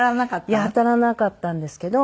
いや当たらなかったんですけど。